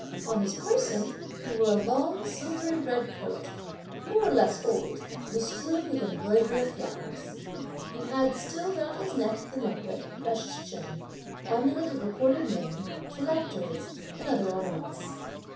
On his person, he wore a long silvery red coat, more or less old, bestrewn with embroidery of flowers. He had still round his neck the necklet, precious gem, amulet of Recorded Name, philacteries, and other ornaments.